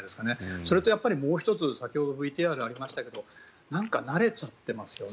それともう１つ先ほどのＶＴＲにもありましたけど慣れちゃってますよね